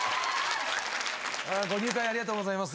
ご入会ありがとうございます。